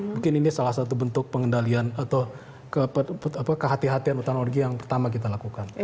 mungkin ini salah satu bentuk pengendalian atau kehatian kehatian otonorgi yang pertama kita lakukan